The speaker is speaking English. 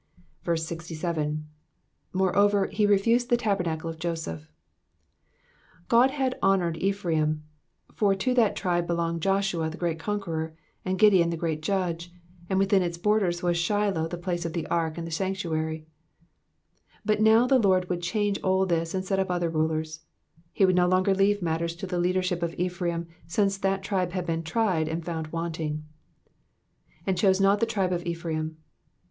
67. ^'Moreover he rrfused the tabernacle of Joseph, God had honoured Ephraim, for to that tribe belonged Joshua the great conqueror, and Gideon the great judge, and within its borders was Shiloh the place of the ark and the sanctuary ; but now the Lord would change all this and set up other rulers. Digitized by VjOOQIC PSALM THE SEVENTY EIGHTH. 451 He wonld no longer leave matters to the leadership of Ephraim, since that tribe had been tried and found wanting. ^^And chose not the tribe of Epkraim.''